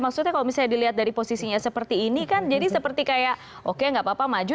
maksudnya kalau misalnya dilihat dari posisinya seperti ini kan jadi seperti kayak oke gak apa apa maju